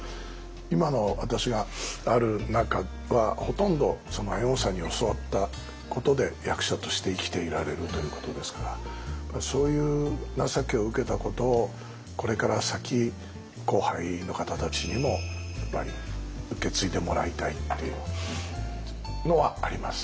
今の私がある中はほとんど猿翁さんに教わったことで役者として生きていられるということですからそういう情けを受けたことをこれから先後輩の方たちにもやっぱり受け継いでもらいたいっていうのはあります。